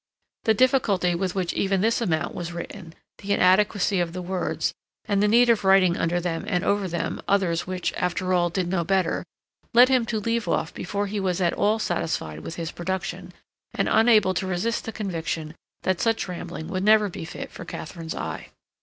The difficulty with which even this amount was written, the inadequacy of the words, and the need of writing under them and over them others which, after all, did no better, led him to leave off before he was at all satisfied with his production, and unable to resist the conviction that such rambling would never be fit for Katharine's eye.